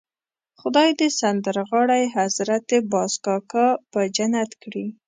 خدای دې سندرغاړی حضرت باز کاکا په جنت کړي.